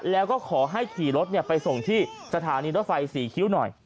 แล้วก็ขอให้ขี่รถไปส่งที่สถานีรถไฟศรีคิ้วหน่อย